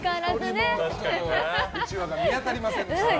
うちわが見当たりませんでした。